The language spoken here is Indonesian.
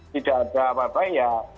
tidak ada apa apa ya